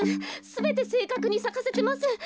すべてせいかくにさかせてます。